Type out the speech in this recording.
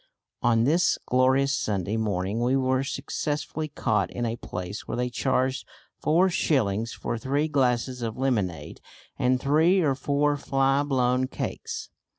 On this glorious Sunday morning we were successfully caught in a place where they charged four shillings for three glasses of lemonade and three or four fly blown cakes.